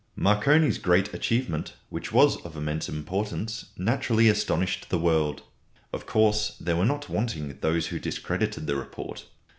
Marconi's great achievement, which was of immense importance, naturally astonished the world. Of course, there were not wanting those who discredited the report.